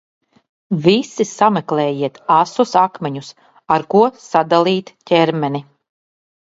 Visi sameklējiet asus akmeņus, ar ko sadalīt ķermeni!